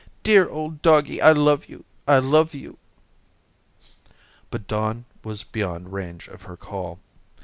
Dear old doggie, I love you, I love you." But Don was beyond range of her call.